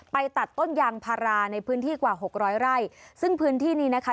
ตัดต้นยางพาราในพื้นที่กว่าหกร้อยไร่ซึ่งพื้นที่นี้นะคะ